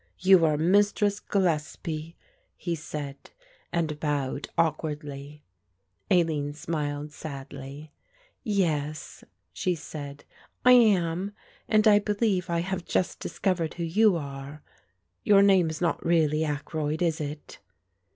"You are Mistress Gillespie," he said, and bowed awkwardly. Aline smiled sadly. "Yes," she said, "I am and I believe I have just discovered who you are. Your name is not really Ackroyd, is it?"